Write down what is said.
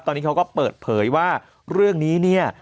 ตอนนี้เขาก็เปิดเผยว่าเรื่องนี้เนี่ย